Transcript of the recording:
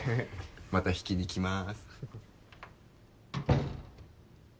また弾きに来ます。